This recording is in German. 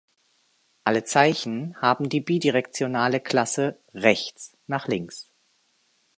Alle Zeichen haben die bidirektionale Klasse „Rechts nach links“.